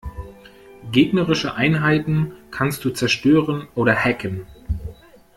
Gegnerische Einheiten kannst du zerstören oder hacken.